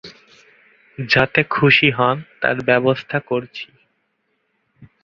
যাতে খুশি হন তার ব্যবস্থা করছি।